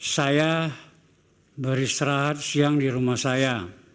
saya beristirahat siang di rumah saya